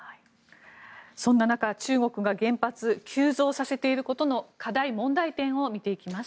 そんな中、中国が原発急増させていることの課題、問題点を見ていきます。